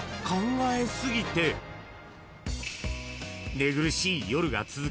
［寝苦しい夜が続く